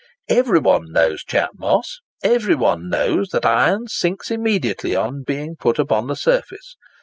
Every one knows Chat Moss—every one knows that the iron sinks immediately on its being put upon the surface.